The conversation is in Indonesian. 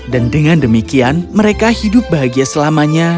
dan dengan demikian mereka hidup bahagia selamanya